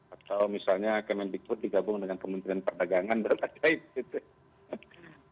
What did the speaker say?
atau misalnya kemendikbud digabung dengan kementerian perdagangan berapa aja itu